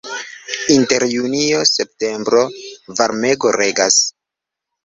Inter junio-septembro varmego regas.